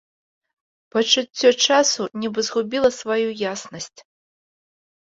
Пачуццё часу нібы згубіла сваю яснасць.